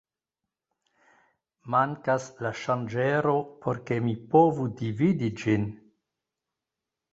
Mankas la ŝanĝero por ke mi povu dividi ĝin.